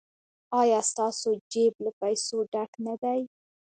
ایا ستاسو جیب له پیسو ډک نه دی؟